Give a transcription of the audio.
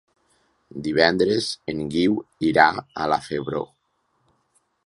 Divendres en Guiu irà a la Febró.